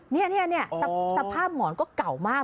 นี่สภาพหมอนก็เก่ามาก